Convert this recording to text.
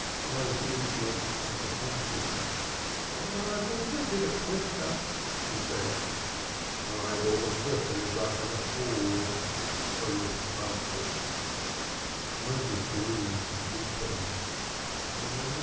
Moses looked disappointed. "I have also been a clicker," he said. "I have all the clickers I can afford," Baruch answered. Moses's gloom deepened.